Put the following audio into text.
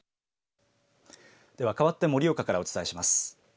ではかわって盛岡からお伝えします。